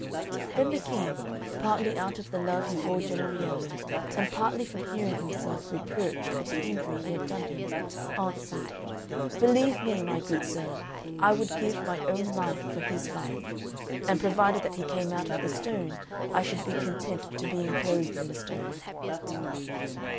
Then the King, partly out of the love he bore Jennariello, and partly from hearing himself reproached with the injury he had done him, answered, "Believe me, my good sir, I would give my own life for his life; and provided that he came out of the stone, I should be content to be enclosed in a stone."